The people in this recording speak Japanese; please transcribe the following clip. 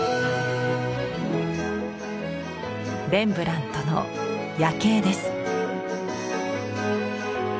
レンブラントの「夜警」です。